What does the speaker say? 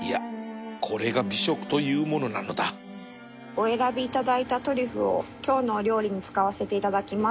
お選びいただいたトリュフを今日のお料理に使わせていただきます。